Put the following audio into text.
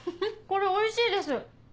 これおいしいです！